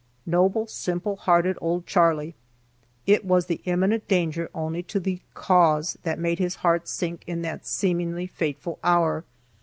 Noble, simple hearted old Charley! It was the imminent danger only to the Cause that made his heart sink in that seemingly fateful hour.